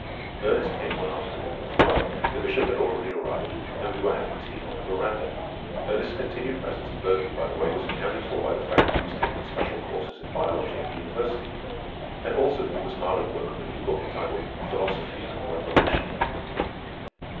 Ernest came one afternoon with father. The Bishop had already arrived, and we were having tea on the veranda. Ernest's continued presence in Berkeley, by the way, was accounted for by the fact that he was taking special courses in biology at the university, and also that he was hard at work on a new book entitled "Philosophy and Revolution."